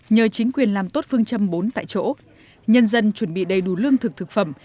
nhờ chính quyền làm tốt phương châm bốn tại chỗ nhân dân chuẩn bị đầy đủ lương thực thực phẩm